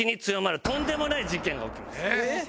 えっ！